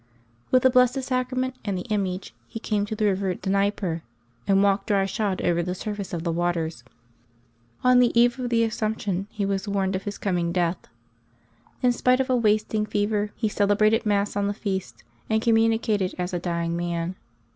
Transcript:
With the Blessed Sacrament and the image he came to the river Dnieper, and walked dry shod over the surface of the waters. On the eve of the Assumption he was warned of his coming death. In spite of a wasting fever, he cele brated Mass on the feast, and communicated as a dying man.